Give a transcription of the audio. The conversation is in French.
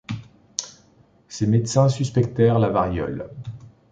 Ses médecins suspectèrent la variole.